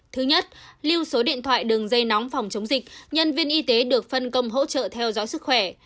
thứ nhất lưu số điện thoại đường dây nóng phòng chống dịch nhân viên y tế được phân công hỗ trợ theo dõi sức khỏe